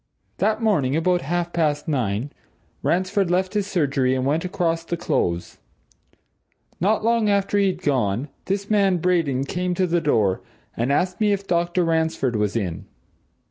That morning, about half past nine, Ransford left his surgery and went across the Close. Not long after he'd gone, this man Braden came to the door, and asked me if Dr. Ransford was in?